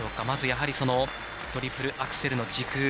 まず、やはりトリプルアクセルの軸。